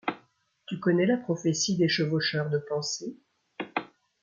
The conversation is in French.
Tu connais la prophétie des chevaucheurs de pensée ?